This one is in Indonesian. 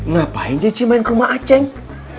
ngapain cici main ke rumah aceh